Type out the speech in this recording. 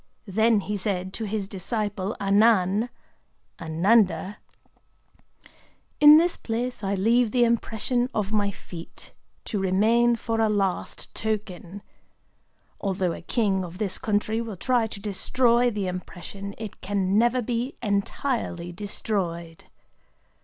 Then he said to his disciple Anan [Ânanda]: 'In this place I leave the impression of my feet, to remain for a last token. Although a king of this country will try to destroy the impression, it can never be entirely destroyed.